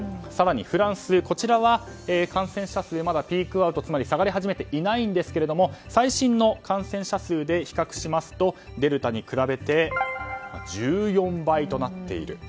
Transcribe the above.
更にフランス、こちらは感染者数まだピークアウトつまり、下がり始めていませんが最新の感染者数で比較しますと、デルタに比べて１４倍となっている。